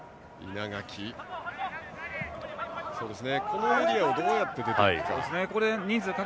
このエリアをどうやって出て行くか。